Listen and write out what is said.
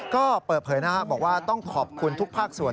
ก็เปิดเผยนะครับบอกว่าต้องขอบคุณทุกภาคส่วน